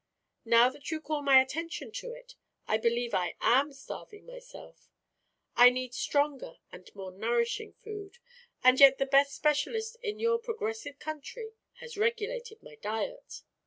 Now that you call my attention to it, I believe I am starving myself. I need stronger and more nourishing food; and yet the best specialist in your progressive country has regulated my diet."